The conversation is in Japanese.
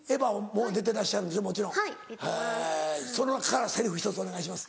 その中からセリフ１つお願いします。